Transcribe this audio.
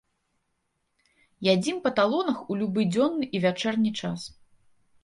Ядзім па талонах у любы дзённы і вячэрні час.